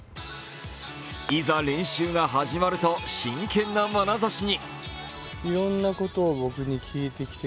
いざ練習が始まると真剣なまなざしに。